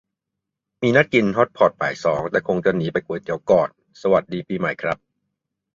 มีนัดกินฮอตพอตบ่ายสอง แต่คงจะหนีไปก๋วยเตี๋ยวก่อน สวัสดีปีใหม่ครับ